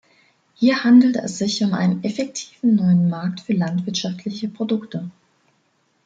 Hier handelt es sich um einen effektiven neuen Markt für landwirtschaftliche Produkte.